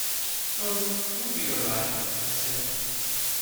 "Oh, you'll be all right," I said.